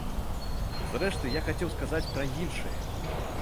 Зрэшты, я хацеў сказаць пра іншае.